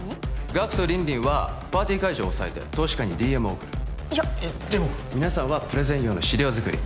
ガクと凜々はパーティー会場を押さえて投資家にＤＭを送るいやえっでも皆さんはプレゼン用の資料作り